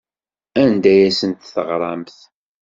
Anda ay asent-teɣramt?